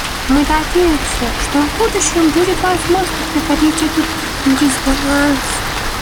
Мы надеемся, что в будущем будет возможно преодолеть этот дисбаланс.